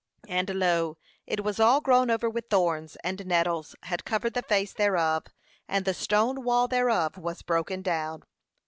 And lo, it was all grown over with thorns, and nettles had covered the face thereof, and the stone wall thereof was broken down.'